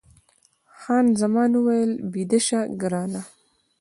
خان زمان وویل، بیده شه ګرانه.